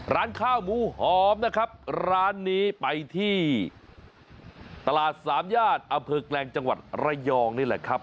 ร้านข้าวหมูหอมนะครับร้านนี้ไปที่ตลาดสามญาติอำเภอแกลงจังหวัดระยองนี่แหละครับ